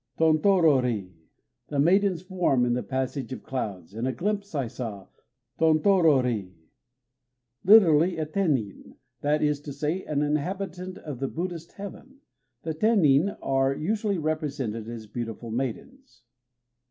Tontorori! The maiden's form, In the passage of clouds, In a glimpse I saw! Tontorori! Lit., "a Tennin"; that is to say, an inhabitant of the Buddhist heaven. The Tennin are usually represented as beautiful maidens.